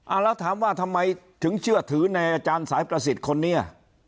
แล้วถามว่าทำไมถึงเชื่อถือในอาจารย์สายประสิทธิ์คนนี้